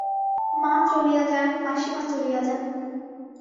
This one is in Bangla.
মা চলিয়া যান, মাসিমা চলিয়া যান।